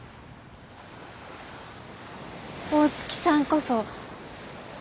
大月さんこそ。